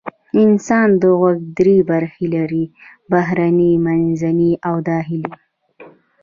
د انسان غوږ درې برخې لري: بهرنی، منځنی او داخلي.